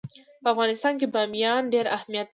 په افغانستان کې بامیان ډېر اهمیت لري.